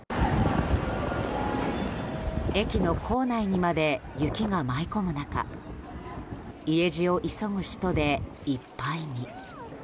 駅の構内にまで雪が舞い込む中家路を急ぐ人でいっぱいに。